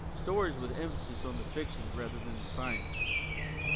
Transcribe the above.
Stories with emphasis on the fiction rather than the science.